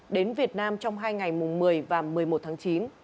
đến việt nam trong hai ngày mùng một mươi và một mươi một tháng chín